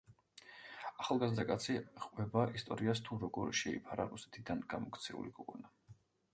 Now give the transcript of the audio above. ახალგაზრდა კაცი ჰყვება ისტორიას თუ როგორ შეიფარა რუსეთიდან გამოქცეული გოგონა.